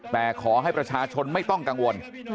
แต่ขอให้ประชาชนไม่ต้องกังวล